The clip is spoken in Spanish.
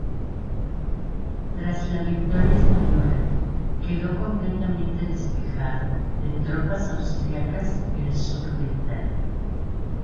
Tras la victoria española quedó completamente despejado de tropas austriacas el sur de Italia.